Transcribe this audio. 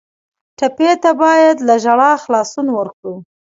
ټپي ته باید له ژړا خلاصون ورکړو.